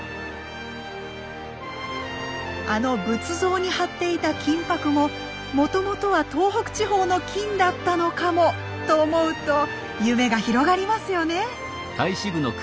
あの仏像に貼っていた金箔ももともとは東北地方の金だったのかもと思うと夢が広がりますよね。